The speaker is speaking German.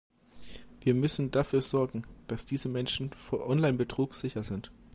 Wir müssen dafür sorgen, dass diese Menschen vor Online-Betrug sicher sind.